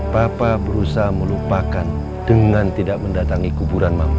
papa berusaha melupakan dengan tidak mendatangi kuburan mama